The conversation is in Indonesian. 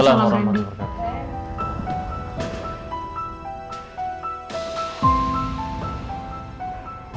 tidak ada apa apa